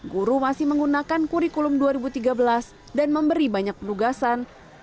guru masih menggunakan kurikulum dua ribu tiga belas dan memberi banyak penugasan